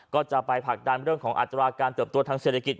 ก็จะไปผลักดันเรื่องของอัตราการเติบตัวทางเศรษฐกิจ